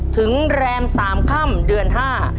แรมสามค่ำเดือนห้า